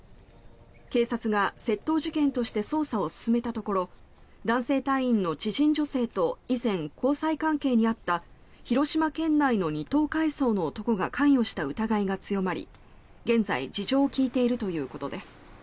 警察が窃盗事件として捜査を進めたところ男性隊員の知人女性と以前、交際関係にあった広島県内の２等海曹の男が関与した疑いが強まり現在、事情を聴いているということです。